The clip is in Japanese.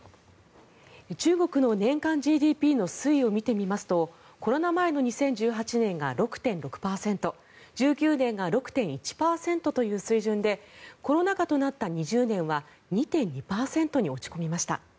中国の年間ＧＤＰの推移を見てみますとコロナ前の２０１８年が６．６％１９年が６．１％という水準でコロナ禍となった２０年は２．２％に落ち込みました。